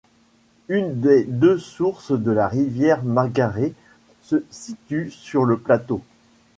Une des deux sources de la rivière Margaree se situe sur le plateau.